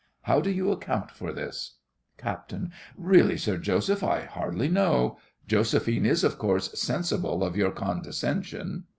How do you account for this? CAPT. Really, Sir Joseph, I hardly know. Josephine is of course sensible of your condescension.